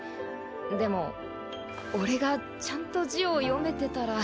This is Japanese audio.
でも俺がちゃんと字を読めてたら。